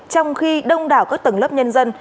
trong khi đông đảo các tầng lớp nhân dân